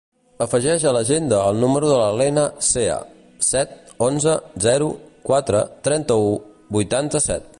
Afegeix a l'agenda el número de la Lena Cea: set, onze, zero, quatre, trenta-u, vuitanta-set.